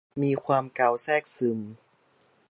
มีความเกาแทรกซึม